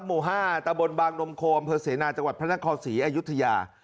หมู่๕ตะบนบางนมโคมเภเสนาจังหวัดพระนครศรีอยุธยา